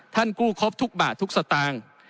ท่านกู้ครับทุกบาททุกสตาง